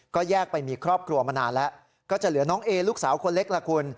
ก็แยกไปมีครอบครัวมานานแล้วก็จะเหลือน้องเอลูกสาวคนเล็กล่ะคุณ